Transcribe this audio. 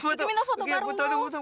luki minta foto bareng dong